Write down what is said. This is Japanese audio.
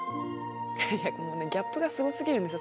いやいやギャップがすごすぎるんですよ